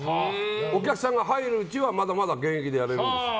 お客さんが入るうちはまだまだ現役でやれるんです。